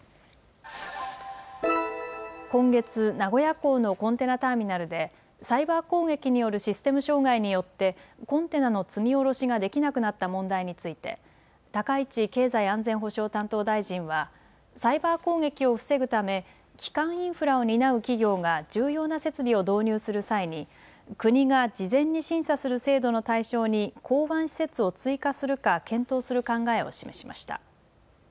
今月、名古屋港のコンテナターミナルで、サイバー攻撃によるシステム障害によって、コンテナの積み降ろしができなくなった問題について、高市経済安全保障担当大臣は、サイバー攻撃を防ぐため、基幹インフラを担う企業が重要な設備を導入する際に、国が事前に審査する制度の対象に港湾施設を追加するか検討する考えを示しました。